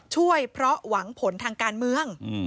ช่วยเพราะหวังผลทางการเมือง